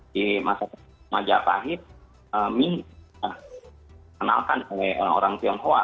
di masa majapahit mie dikenalkan oleh orang tionghoa